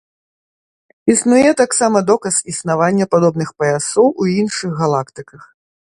Існуе таксама доказ існавання падобных паясоў у іншых галактыках.